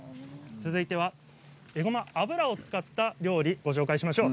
続いてはえごま油を使った料理をご紹介しましょう。